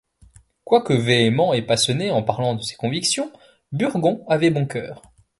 Quoique véhément et passionné en parlant de ses convictions, Burgon avait bon cœur.